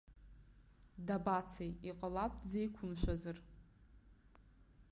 Дабацеи, иҟалап дзеиқәымшәазар.